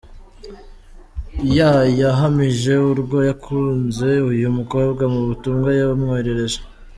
Y yahamije urwo yakunze uyu mukobwa mu butumwa yamwoherereje.